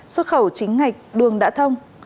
xuất khẩu chính ngạch đường đã thông